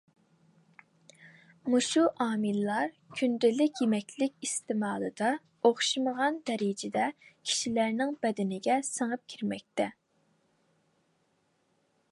مۇشۇ ئامىللار كۈندىلىك يېمەكلىك ئىستېمالىدا ئوخشىمىغان دەرىجىدە كىشىلەرنىڭ بەدىنىگە سىڭىپ كىرمەكتە.